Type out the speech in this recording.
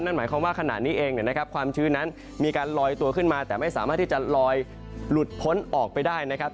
นั่นหมายความว่าขณะนี้เองนะครับความชื้นนั้นมีการลอยตัวขึ้นมาแต่ไม่สามารถที่จะลอยหลุดพ้นออกไปได้นะครับ